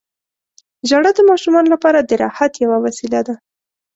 • ژړا د ماشومانو لپاره د راحت یوه وسیله ده.